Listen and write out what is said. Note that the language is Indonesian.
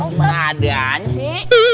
gak adaan sih